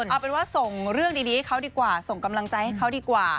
เอาเป็นว่าส่งเรื่องดีให้เขาดีกว่าส่งกำลังใจให้เขาดีกว่า